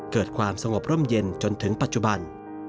เกิดความสงบร่มเย็นจนถึงปัจจุบัน